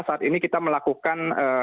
saat ini kita melakukan